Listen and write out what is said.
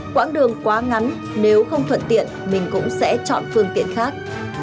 quãng đường quá ngắn nếu không thuận tiện mình cũng sẽ chọn phương tiện khác